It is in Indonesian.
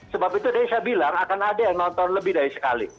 sebab itu tadi saya bilang akan ada yang nonton lebih dari sekali